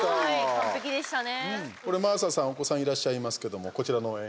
完璧でしたね。